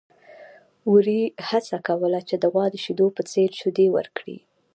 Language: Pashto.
وري هڅه کوله چې د غوا د شیدو په څېر شیدې ورکړي.